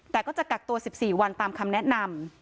แต่ก็จะกักตัว๑๔วันตามคำแนะนำ